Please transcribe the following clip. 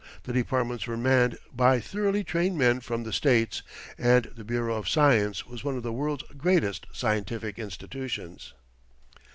The departments were manned by thoroughly trained men from the States, and the Bureau of Science was one of the world's greatest scientific institutions.